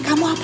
kamu apa sih